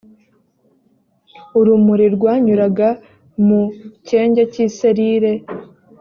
urumuri rwanyuraga mu kenge k’iserire